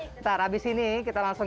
ntar habis ini kita langsung